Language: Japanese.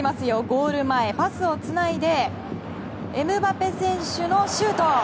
ゴール前パスをつないでエムバペ選手のシュート。